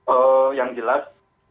ee yang jelas